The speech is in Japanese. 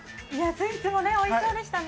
スイーツもおいしそうでしたね。